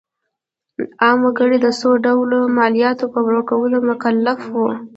عام وګړي د څو ډوله مالیاتو په ورکولو مکلف وو.